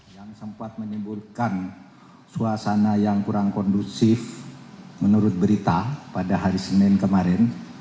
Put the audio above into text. yang sempat menimbulkan suasana yang kurang kondusif menurut berita pada hari senin kemarin